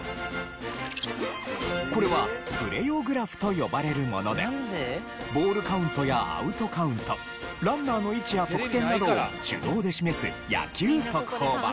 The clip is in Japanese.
これはプレヨグラフと呼ばれるものでボールカウントやアウトカウントランナーの位置や得点などを手動で示す野球速報板。